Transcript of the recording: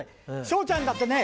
昇ちゃんだってね